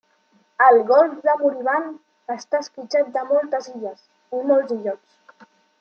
El golf de Morbihan està esquitxat de moltes illes, i molts illots.